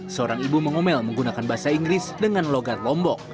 seorang ibu mengomel menggunakan bahasa inggris dengan logar lombok